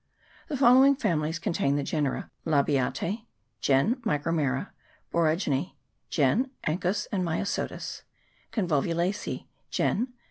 , The following families contain the genera: Labiatce (gen. Micromeria), Eoraginece (gen. Anchusa and Myosotis), Convolvulacece (gen.